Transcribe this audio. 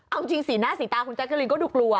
เอาจริงสีหน้าสีตาคุณแจ๊กกะลินก็ดูกลัว